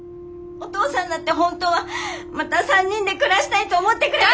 お父さんだって本当はまた３人で暮らしたいと思ってくれて。